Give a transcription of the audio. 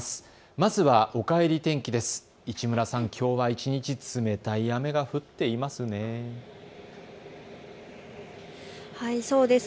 まずはおかえり天気です。